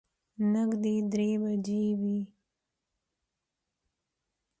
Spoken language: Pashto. نږدې درې بجې وې.